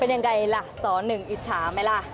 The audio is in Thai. เป็นยังไงล่ะสหนึ่งอิจฉาไหมล่ะ